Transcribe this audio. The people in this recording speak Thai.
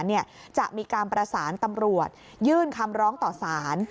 จะมีการประสานตำรวจยื่นคำร้องต่อสาร